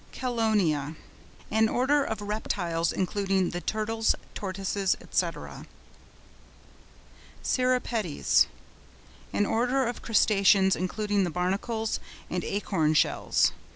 CHELONIA.—An order of Reptiles including the Turtles, Tortoises, &c. CIRRIPEDES.—An order of Crustaceans including the Barnacles and Acorn shells.